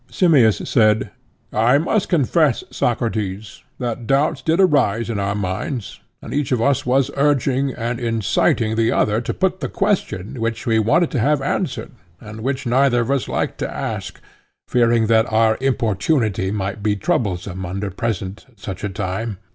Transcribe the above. Simmias said: I must confess, Socrates, that doubts did arise in our minds, and each of us was urging and inciting the other to put the question which we wanted to have answered and which neither of us liked to ask, fearing that our importunity might be troublesome under present at such a time.